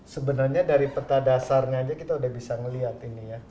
sebenarnya dari peta dasarnya aja kita udah bisa ngeliat ini ya